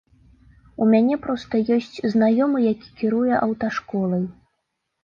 У мяне проста ёсць знаёмы, які кіруе аўташколай.